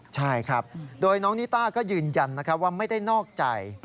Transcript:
ใช่ครับโดยน้องนิต้าก็ยืนยันนะครับว่าไม่ได้นอกใจ